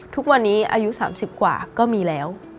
ทุกวันนี้อายุ๓๐กว่าก็มีแล้ว